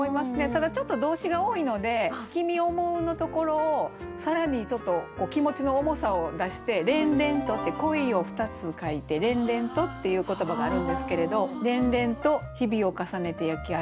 ただちょっと動詞が多いので「君想う」のところを更にちょっと気持ちの重さを出して「恋恋と」って「恋」を２つ書いて「恋恋と」っていう言葉があるんですけれど。